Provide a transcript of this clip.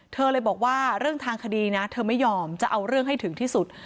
เธอเลยบอกว่าเรื่องทางคดีนะเธอไม่ยอมจะเอาเรื่องให้ถึงที่สุด